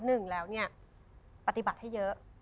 หนึ่งแล้วเนี่ยปฏิบัติให้เยอะ